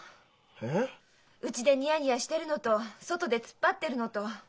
えっ？うちでニヤニヤしてるのと外で突っ張ってるのと。